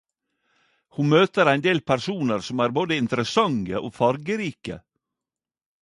Ho møter ein del personar som er både interessante og fargerike.